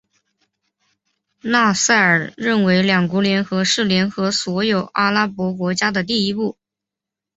纳赛尔认为两国联合是联合所有阿拉伯国家的第一步。